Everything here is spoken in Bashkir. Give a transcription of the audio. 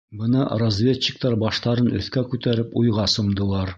Бына разведчиктар баштарын өҫкә күтәреп уйға сумдылар.